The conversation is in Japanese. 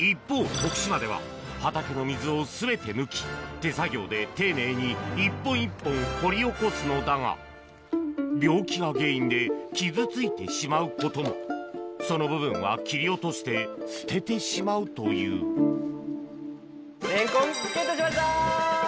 徳島では畑の水を全て抜き手作業で丁寧に一本一本掘り起こすのだが病気が原因で傷ついてしまうこともその部分は切り落として捨ててしまうというレンコンゲットしました！